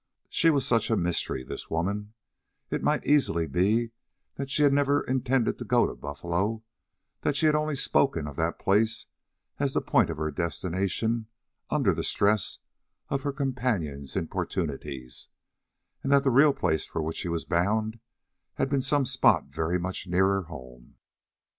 She was such a mystery, this woman, it might easily be that she had never intended to go to Buffalo; that she had only spoken of that place as the point of her destination under the stress of her companion's importunities, and that the real place for which she was bound had been some spot very much nearer home.